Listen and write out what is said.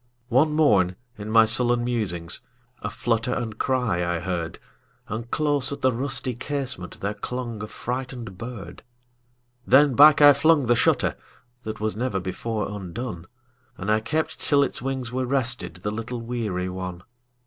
One morn, in my sullen musings,A flutter and cry I heard; And close at the rusty casementThere clung a frightened bird. Then back I flung the shutterThat was never before undone, And I kept till its wings were restedThe little weary one.